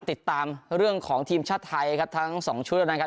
ติดตามเรื่องของทีมชาติไทยครับทั้งสองชุดแล้วนะครับ